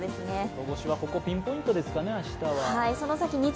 外干しはここピンポイントですかね、明日は。